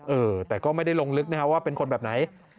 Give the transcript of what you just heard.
เออแต่ก็ไม่ได้ลงลึกนะครับว่าเป็นคนแบบไหน